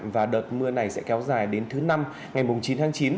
và đợt mưa này sẽ kéo dài đến thứ năm ngày chín tháng chín